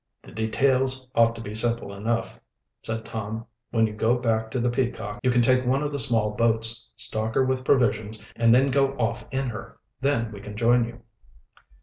"The details ought to be simple enough," said Tom. "When you go back to the Peacock you can take one of the small boats, stock her with provisions, and then go off in her. Then we can join you."